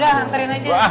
udah hantarin aja